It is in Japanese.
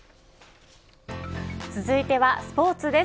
続いてはスポーツです。